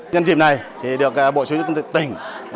nhân dịp này được bộ chủ tịch tỉnh